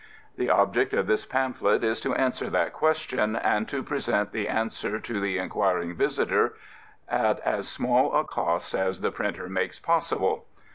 The object of this pamphlet is to answer that question, and to present the answer to the inquiring visitor at as small a cost as the printer makes possible.